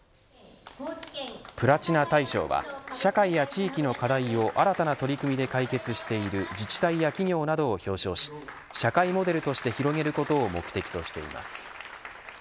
プラチナ大賞は社会や地域の課題を、新たな取り組みで解決している自治体や企業など表彰し社会モデルとして広げることを目的としています。